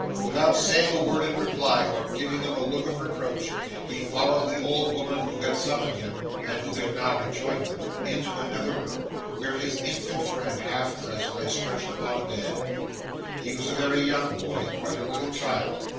Without saying a word in reply, or giving them a look of reproach, he followed the old woman who had summoned him (and who had now rejoined them) into another room, where his infant friend, half dressed, lay stretched upon a bed. He was a very young boy; quite a little child.